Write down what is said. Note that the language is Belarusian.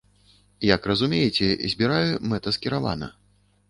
Як разумееце, збіраю мэтаскіравана.